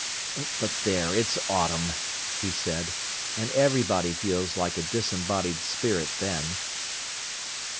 "But, there, it's autumn," he said, "and everybody feels like a disembodied spirit then."